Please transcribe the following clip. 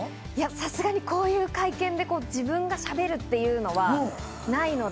さすがに、こういう会見で自分がしゃべるっていうのはないので。